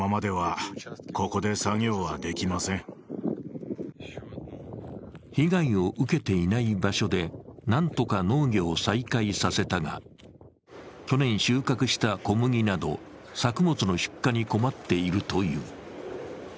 更に被害を受けていない場所で何とか農業を再開させたが、去年収穫した小麦など、作物の出荷に困っているという。